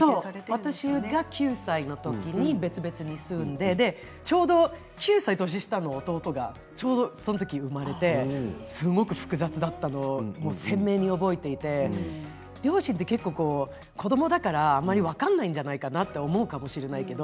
私が９歳の時に別々に住んでちょうど９歳年下の弟がその時、生まれてすごく複雑だったのを鮮明に覚えていて両親って子どもだからあまり分からないんじゃないかなと思うかもしれないけど